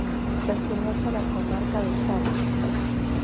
Pertenece a la comarca de Sarria.